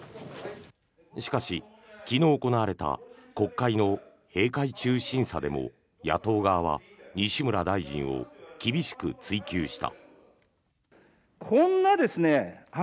しかし、昨日行われた国会の閉会中審査でも野党側は西村大臣を厳しく追及した。